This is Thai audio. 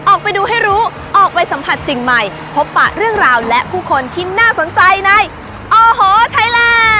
ออกไปดูให้รู้ออกไปสัมผัสสิ่งใหม่พบปะเรื่องราวและผู้คนที่น่าสนใจในโอ้โหไทยแลนด